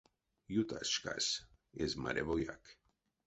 Ютась шкась — эзь марявояк.